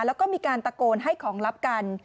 แล้วก็มีการตะโกนให้ของลับกัน